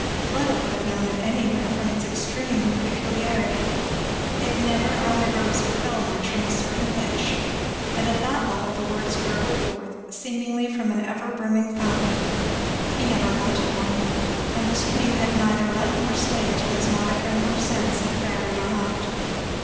Fleda would have known it anywhere from its extreme peculiarity. It never either rose or fell much from a certain pitch; and at that level the words gurgled forth, seemingly from an ever brimming fountain; he never wanted one; and the stream had neither let nor stay till his modicum of sense had fairly run out.